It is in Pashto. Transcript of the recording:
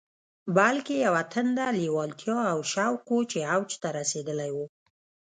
بلکې يوه تنده، لېوالتیا او شوق و چې اوج ته رسېدلی و.